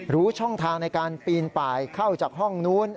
รู้ช่องทางในการปีนป่ายเข้าจากห้องนู้น